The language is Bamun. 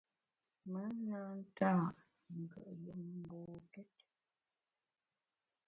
Me na nta’ ngùet yùm mbokét.